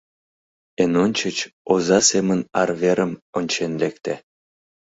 Эн ончыч оза семын арверым ончен лекте.